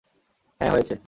হ্যাঁ, হয়েছে।